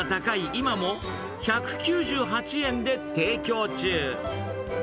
今も、１９８円で提供中。